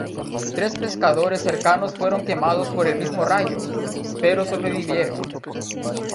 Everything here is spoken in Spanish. Tres pescadores cercanos fueron quemados por el mismo rayo, pero sobrevivieron.